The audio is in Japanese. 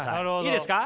いいですか？